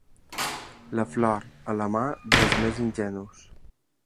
La flor a la mà dels més ingenus.